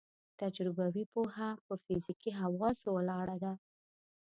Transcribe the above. تجربوي پوهه په فزیکي حواسو ولاړه ده.